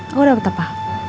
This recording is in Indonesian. aku dapat apa